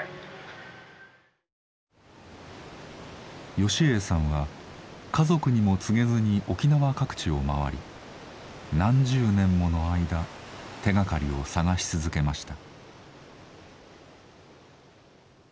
芳英さんは家族にも告げずに沖縄各地を回り何十年もの間手がかりを捜し続けました。